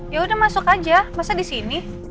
yaudah masuk aja masa di sini